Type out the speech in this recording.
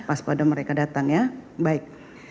pas pada mereka datang ya baik